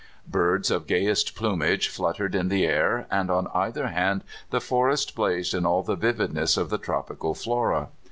Birds of gayest plumage flut tered in the air, and on either hand the forest blazed in all the vividness of the tropical flora.